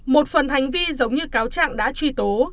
một phần hành vi giống như cáo trạng đã truy tố